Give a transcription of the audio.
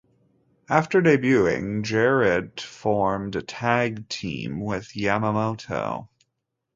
After debuting, Jarrett formed a tag team with Yamamoto.